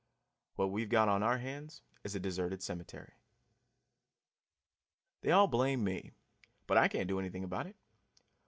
What we've got on our hands is a deserted cemetery. They all blame me, but I can't do anything about it.